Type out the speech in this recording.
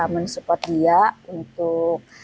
mensupport dia untuk